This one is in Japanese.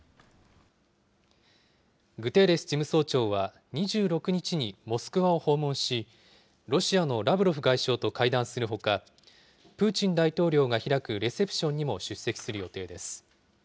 グテーレス事務総長は、２６日にモスクワを訪問し、ロシアのラブロフ外相と会談するほか、プーチン大統領が開くレセプションにも出席する予定です。